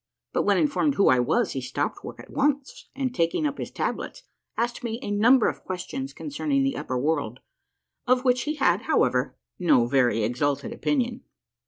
* But when informed who I was he stopped work at once and taking up his tablets, asked me a number of questions con cerning the upper world, of which he had, however, no very exalted opinion.